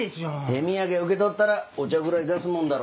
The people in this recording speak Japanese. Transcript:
手土産受け取ったらお茶ぐらい出すもんだろ。